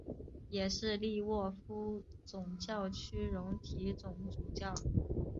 也是利沃夫总教区荣休总主教。